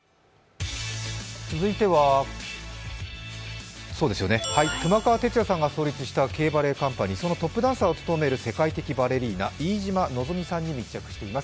続いては、熊川哲也さんが創立したＫバレエカンパニー、そのトップダンサーを務める世界的ダンサー、飯島望未さんに密着してます。